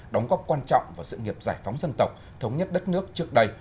đóng góp quan trọng vào sự nghiệp giải phóng dân tộc thống nhất đất nước trước đây